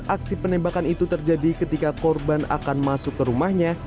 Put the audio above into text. aksi penembakan itu terjadi ketika korban akan masuk ke rumahnya